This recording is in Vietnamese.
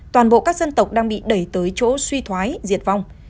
toàn bộ các dân tộc đang bị đẩy tới chỗ suy thoái diệt vong